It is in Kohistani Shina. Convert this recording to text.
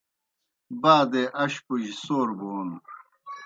بادے اشپوجیْ سور بون